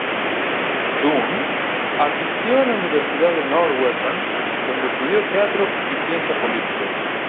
Dunn asistió a la Universidad de Northwestern, donde estudió teatro y ciencia política.